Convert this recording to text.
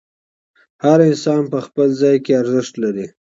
هر انسان په خپل ځای کې ارزښت لري.